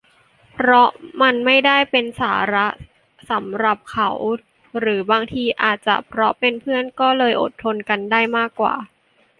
เพราะมันไม่ได้เป็นสาระสำหรับเขา หรือ บางที อาจจะเพราะเป็นเพื่อน ก็เลยอดทนกันได้มากกว่า